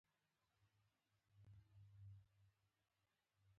• د ورځې کار د سبا بریا ټاکي.